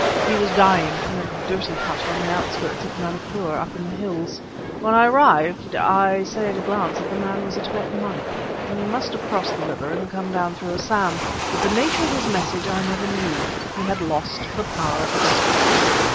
He was dying in a dirty hut on the outskirts of Manipur, up in the hills. When I arrived I say at a glance that the man was a Tibetan monk. He must have crossed the river and come down through Assam; but the nature of his message I never knew. He had lost the power of speech!